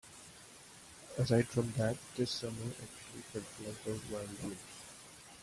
Aside from that, this summer actually felt like a whirlwind.